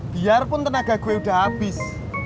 biarpun tenaga gue udah habis